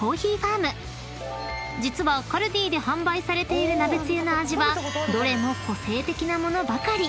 ［実はカルディで販売されている鍋つゆの味はどれも個性的な物ばかり］